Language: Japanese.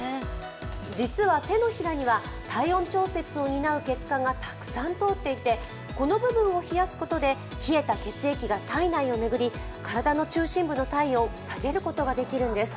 実は、手のひらには体温調節を担う血管がたくさん通っていてこの部分を冷やすことで冷えた血液が体内を巡り、体の中心部の体温を下げることができるんです。